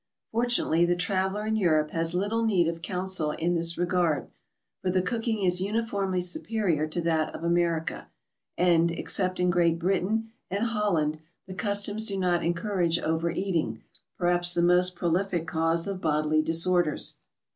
Fortunately, the traveler in Euro<pe has little need of counsel in this regard, for the cooking is uniformly superior to that of America, and, except in Great Britain and Hol land, the customs do not encottrage over eating, perhaps the most prolific cause of bodily disorders.